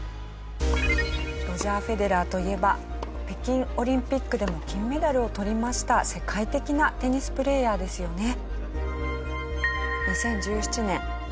ロジャー・フェデラーといえば北京オリンピックでも金メダルを取りました世界的なテニスプレーヤーですよね。